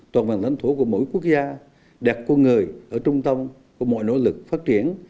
toàn bằng lãnh thổ của mỗi quốc gia đạt con người ở trung tâm của mọi nỗ lực phát triển